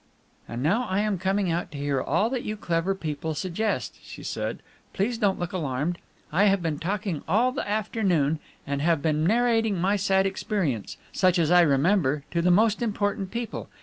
"And now I am coming out to hear all that you clever people suggest," she said. "Please don't look alarmed. I have been talking all the afternoon and have been narrating my sad experience such as I remember to the most important people.